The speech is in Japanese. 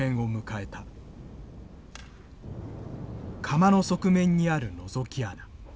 釜の側面にあるのぞき穴。